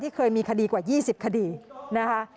เคยมีคดีกว่า๒๐คดีนะคะ